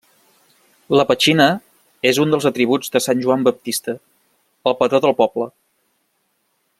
La petxina és un dels atributs de sant Joan Baptista, el patró del poble.